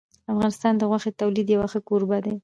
افغانستان د غوښې د تولید یو ښه کوربه دی.